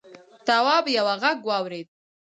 تواب یوه غږ واورېد.